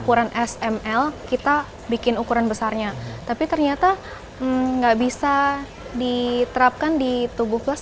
kendala karena kita asal mengadopsi kelas yang tersebut memang ada kendala karena kita asal mengadopsi